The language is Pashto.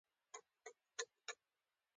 تاسو نشئ کولای د پور لپاره یې په ګرو ورکړئ.